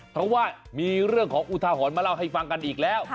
เพราะว่ามีเรื่องของอุทาหรณ์มาเล่าให้ฟังกันอีกแล้ว